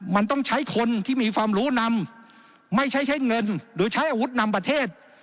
มันต้องใช้คนที่มีความรู้นำไม่ใช่ใช้เงินหรือใช้อาวุธนำประเทศ